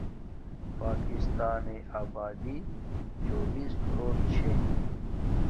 پاکسانی آبادی چوبیس کوروٹ چھی